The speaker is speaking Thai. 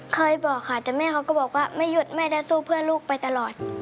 เคยบอกค่ะแต่แม่เขาก็บอกว่าไม่หยุดแม่จะสู้เพื่อลูกไปตลอด